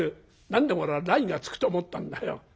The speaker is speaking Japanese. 何でも俺は『らい』がつくと思ったんだよ。